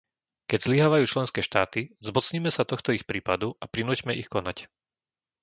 Keď zlyhávajú členské štáty, zmocnime sa tohto ich prípadu a prinúťme ich konať.